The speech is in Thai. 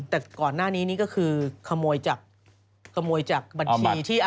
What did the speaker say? แต่ก่อนหน้านี้นี่ก็คือขโมยจากบัญชี